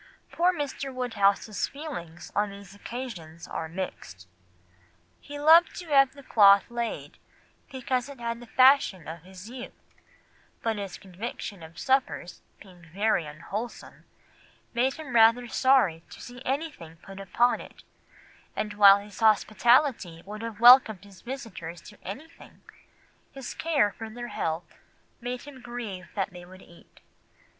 Poor Mr. Woodhouse's feelings on these occasions are mixed. "He loved to have the cloth laid because it had been the fashion of his youth; but his conviction of suppers being very unwholesome, made him rather sorry to see anything put upon it; and while his hospitality would have welcomed his visitors to everything, his care for their health made him grieve that they would eat.